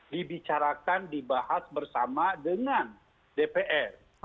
dibicarakan dibahas bersama dengan dpr